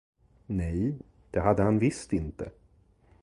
Nej, det hade han visst inte.